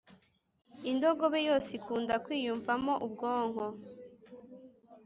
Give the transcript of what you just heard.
indogobe yose ikunda kwiyumvamo ubwonko